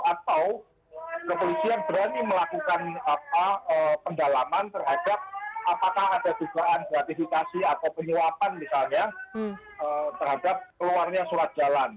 atau kepolisian berani melakukan pendalaman terhadap apakah ada dugaan gratifikasi atau penyuapan misalnya terhadap keluarnya surat jalan